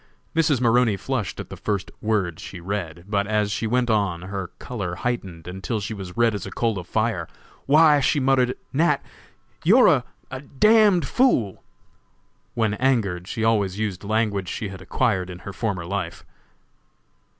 Mrs. Maroney flushed at the first word she read, but as she went on her color heightened, until she was red as a coal of fire. "Why," she muttered, "Nat., you're a d d fool!" When angered she always used language she had acquired in her former life.